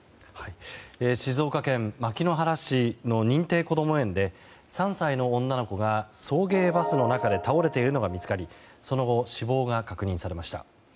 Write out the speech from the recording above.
静岡県牧之原市の認定こども園で３歳の女の子が送迎バスの中で倒れているのが見つかりその後、死亡が確認されました。